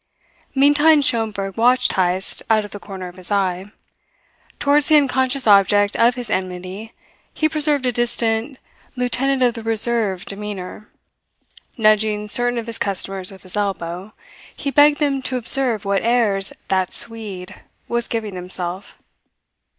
Meantime Schomberg watched Heyst out of the corner of his eye. Towards the unconscious object of his enmity he preserved a distant lieutenant of the Reserve demeanour. Nudging certain of his customers with his elbow, he begged them to observe what airs "that Swede" was giving himself.